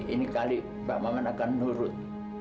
ini kali pak maman akan nurut